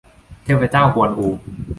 เทพเจ้ากวนอู